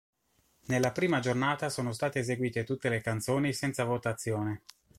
Nella prima giornata sono state eseguite tutte le canzoni senza votazione.